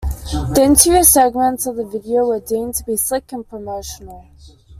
The interview segments of the video were deemed to be "slick and promotional".